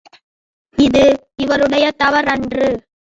இது இவருடைய தவறு அன்று.